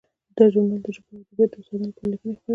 دا ژورنال د ژبو او ادبیاتو د استادانو لپاره لیکنې خپروي.